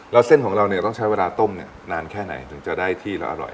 แล้วเส้นของเราเนี่ยต้องใช้เวลาต้มเนี่ยนานแค่ไหนถึงจะได้ที่เราอร่อย